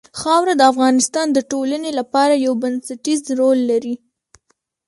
خاوره د افغانستان د ټولنې لپاره یو بنسټيز رول لري.